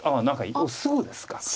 何かすぐですか。